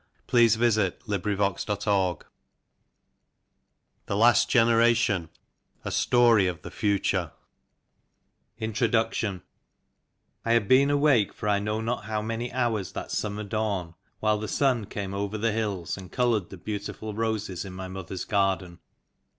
251 I TALES AND SKETCHES THE LAST GENERATION 1 A STORY OF THE FUTURE INTRODUCTION I HAD been awake for I know not how many hours that summer dawn while the sun came over the hills and coloured the beautiful roses in my mother's garden.